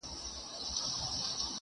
د غرمو گرم اورښته قدم اخله_